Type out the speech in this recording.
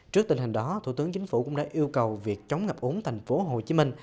trước tình hình đó thủ tướng chính phủ cũng đã yêu cầu việc chống ngập úng thành phố hồ chí minh